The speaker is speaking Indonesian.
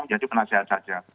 menjadi penasihat saja